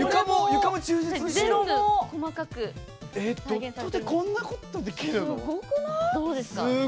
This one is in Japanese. ドットでこんなことできるのすごい！